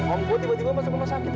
om gue tiba tiba masuk rumah sakit